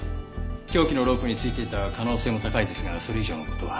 凶器のロープについていた可能性も高いですがそれ以上の事は。